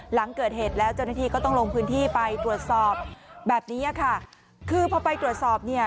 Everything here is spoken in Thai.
หลังเกิดเหตุจนที่ก็ต้องลงพื้นที่ไปตรวจสอบแบบนี้